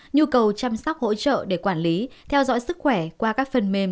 nhu cầu chăm sóc hỗ trợ để quản lý theo dõi sức khỏe qua các phần mềm